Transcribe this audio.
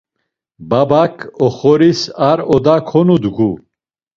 Babak oxoris ar oda konudgu.